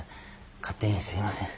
勝手にすいません。